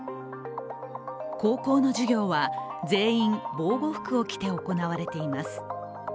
高校の授業は全員、防護服を着て行われています。